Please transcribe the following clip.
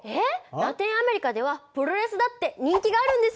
ラテンアメリカではプロレスだって人気があるんですよ。